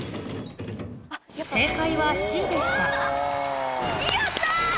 正解はＣでしたうわ！